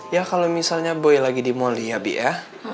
ya kalau misalnya boy lagi di mally ya bu ya